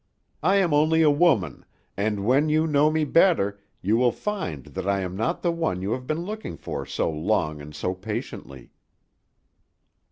I am only a woman, and when you know me better you will find that I am not the one you have been looking for so long and so patiently."